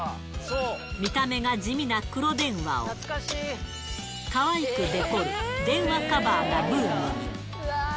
見た目が地味な黒電話を、かわいくデコる電話カバーがブームに。